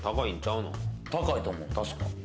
高いと思う、確か。